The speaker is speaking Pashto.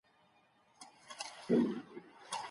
فیصل باید له خپلې خور سره په نرمه ژبه غږېدلی وای.